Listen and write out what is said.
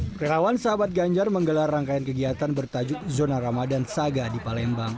kerelawan sahabat ganjar menggelar rangkaian kegiatan bertajuk zona ramadan saga di palembang